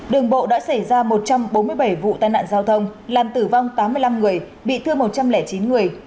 đường bộ đã xảy ra một trăm bốn mươi bảy vụ tai nạn giao thông làm tử vong tám mươi năm người bị thương một trăm linh chín người